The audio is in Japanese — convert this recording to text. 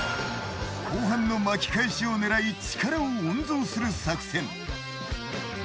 後半の巻き返しを狙い力を温存する作戦。